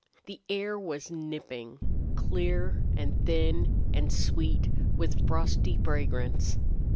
The air was nipping, clear and thin, and sweet with frosty fragrance.